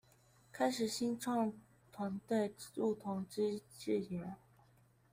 開啟新創團隊不同之視野